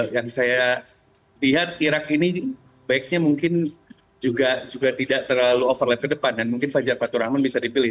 yang saya lihat irak ini baiknya mungkin juga tidak terlalu overlap ke depan dan mungkin fajar fatur rahman bisa dipilih